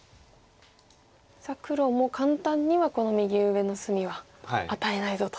さあ黒も簡単には右上の隅は与えないぞと。